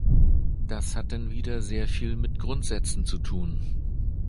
Das hat dann wieder sehr viel mit Grundsätzen zu tun.